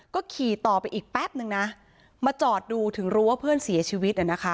ก็ขี่ต่อไปอีกแป๊บนึงนะมาจอดดูถึงรู้ว่าเพื่อนเสียชีวิตนะคะ